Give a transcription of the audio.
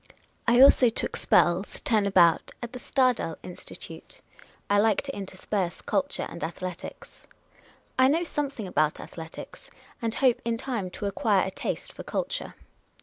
I also took spells, turn about, at the SiaJel Institute. I like to intersperse culture and athletics. I know something about athletics, and hope in time to acquire a taste for culture.